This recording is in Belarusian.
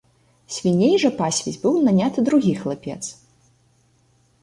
Свіней жа пасвіць быў наняты другі хлапец.